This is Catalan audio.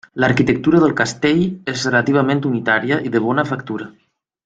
L'arquitectura del castell és relativament unitària i de bona factura.